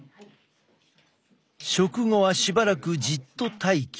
食後はしばらくじっと待機。